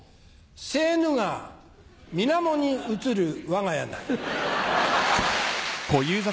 セーヌ川水面に映る我が家なり。